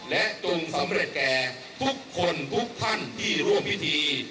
และจงสำเร็จแก่ทุกคนทุกท่านที่ร่วมพิธี